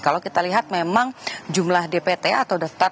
kalau kita lihat memang jumlah dpt atau daftar